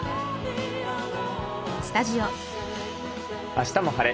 「あしたも晴れ！